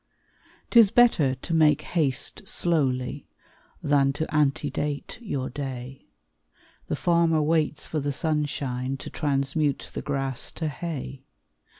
'Tis better to make haste slowly, Than to antedate your day; The farmer waits for the sunshine, To transmute the grass to hay.